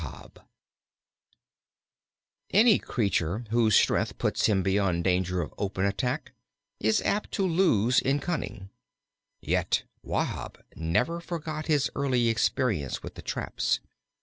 Any creature whose strength puts him beyond danger of open attack is apt to lose in cunning. Yet Wahb never forgot his early experience with the traps.